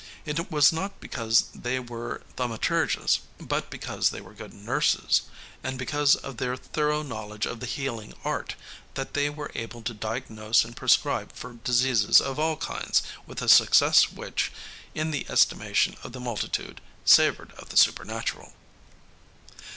It was not because they were thaumaturges, but because they were good nurses, and because of their thorough knowledge of the healing art, that they were able to diagnose and prescribe for diseases of all kinds with a success which, in the estimation of the multitude, savored of the supernatural.